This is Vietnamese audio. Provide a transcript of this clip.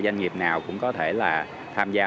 doanh nghiệp nào cũng có thể là tham gia